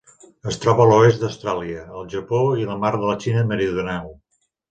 Es troba a l'oest d'Austràlia, el Japó i el mar de la Xina Meridional.